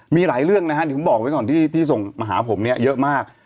มีหลายเรื่องนะฮะเดี๋ยวผมบอกไว้ก่อนที่ส่งมาหาผมเนี่ยเยอะมาก